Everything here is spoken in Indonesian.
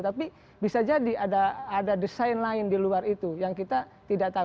tapi bisa jadi ada desain lain di luar itu yang kita tidak tahu